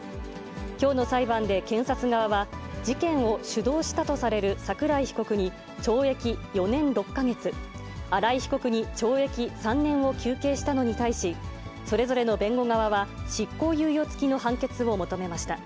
きょうの裁判で検察側は、事件を主導したとされる桜井被告に懲役４年６か月、新井被告に懲役３年を求刑したのに対し、それぞれの弁護側は、執行猶予付きの判決を求めました。